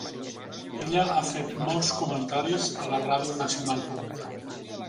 Ella ha fet molts comentaris a la Ràdio nacional pública.